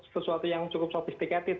sesuatu yang cukup sophisticated